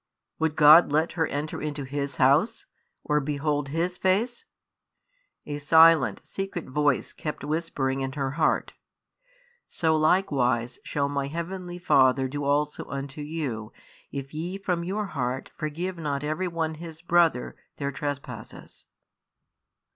Would God let her enter into His house, or behold His face? A silent, secret voice kept whispering in her heart, "So likewise shall My Heavenly Father do also unto you, if ye from your heart forgive not every one his brother their trespasses."